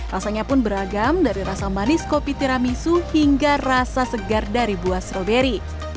rasanya pun beragam dari rasa manis kopi tiramisu hingga rasa segar dari buah stroberi